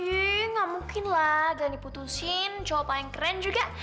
enggak mungkinlah glenn diputuskan cowok cowok yang keren juga